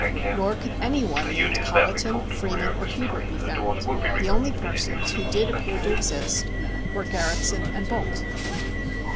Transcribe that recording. Nor could any one named Colliton, Freeman or Hubert be found. The only persons who did appear to exist were Garretson and Bolte.